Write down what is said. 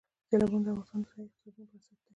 سیلابونه د افغانستان د ځایي اقتصادونو بنسټ دی.